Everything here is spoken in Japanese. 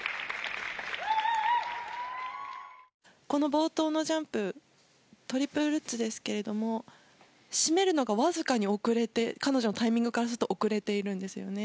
冒頭のジャンプトリプルルッツですが締めるのがわずかに遅れて彼女のタイミングからすると遅れているんですよね。